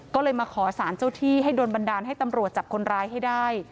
ก็เลยมาขอสารเจ้าที่ให้โดนบันดาลให้ตำรวจจับคนร้ายให้ได้